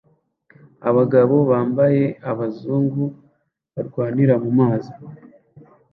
Abagabo bambaye abazungu barwanira mu mazi